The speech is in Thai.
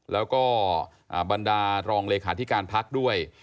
แล้วก็บรรดารองเลขาธิการพักด้วย